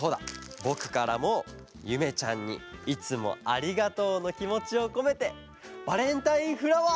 ぼくからもゆめちゃんにいつもありがとうのきもちをこめてバレンタインフラワー。